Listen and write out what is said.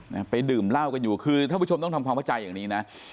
นะฮะไปดื่มเหล้ากันอยู่คือท่านผู้ชมต้องทำความเข้าใจอย่างนี้นะ